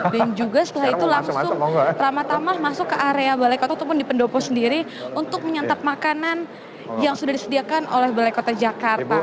dan juga setelah itu langsung ramah ramah masuk ke area balai kota ataupun di pendopo sendiri untuk menyantap makanan yang sudah disediakan oleh balai kota jakarta